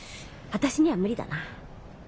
私には無理だな。